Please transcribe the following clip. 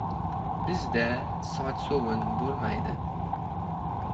— Bizda sochsovun bo‘lmaydi.